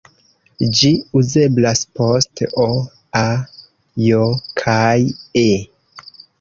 Ĝi uzeblas post "-o", "-a", "-j" kaj "-e".